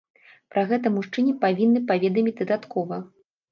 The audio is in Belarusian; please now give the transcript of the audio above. Пра гэта мужчыне павінны паведаміць дадаткова.